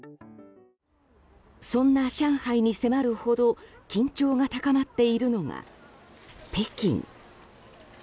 そんな上海に迫るほど緊張が高まっているのが北京。